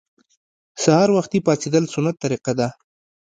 سهار وختي پاڅیدل سنت طریقه ده